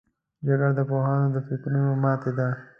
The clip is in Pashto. جګړه د پوهانو د فکرونو ماتې ده